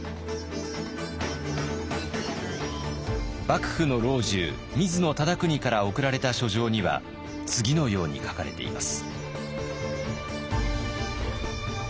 幕府の老中水野忠邦から贈られた書状には次のように書かれています。